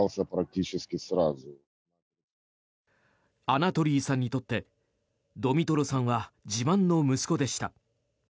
アナトリイさんにとってドミトロさんは自慢の息子でした。